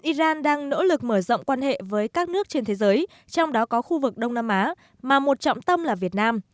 iran đang nỗ lực mở rộng quan hệ với các nước trên thế giới trong đó có khu vực đông nam á mà một trọng tâm là việt nam